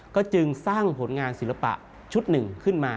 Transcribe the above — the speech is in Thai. ก็จึงสร้างผลงานศิลปะชุดหนึ่งขึ้นมา